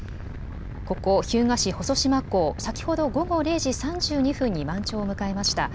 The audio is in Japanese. ここ日向市細島港、先ほど、午後０時３２分に満潮を迎えました。